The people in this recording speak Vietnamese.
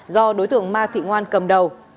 do đối tượng ma thị ngoan cầm đầu